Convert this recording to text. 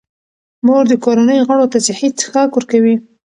مور د کورنۍ غړو ته صحي څښاک ورکوي.